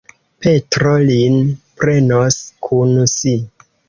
Petro lin prenos kun si.